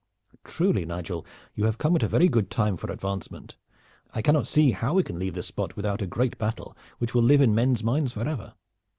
"Truly, Nigel, you have come at a very good time for advancement. I cannot see how we can leave this spot without a great battle which will live in men's minds forever.